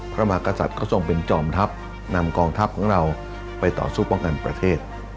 พระมหากษัตริย์ก็ทรงเป็นจอมทัพนำกองทัพของเราไปต่อสู้ป้องกันประเทศ